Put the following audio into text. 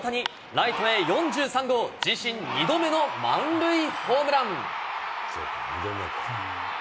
ライトへ４３号、自身２度目の満塁ホームラン。